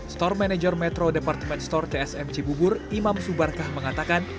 store manager metro departemen store tsmc bubur imam subarkah mengatakan